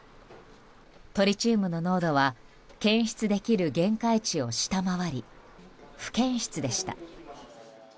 トリチウムの濃度は検出できる限界値を下回り不検出でした。